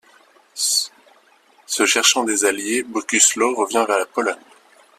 Se cherchant des alliés, Bogusław revient vers la Pologne.